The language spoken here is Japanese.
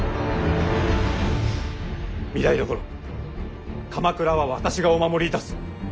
御台所鎌倉は私がお守りいたす。